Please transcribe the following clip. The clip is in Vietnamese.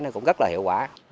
nó cũng rất là hiệu quả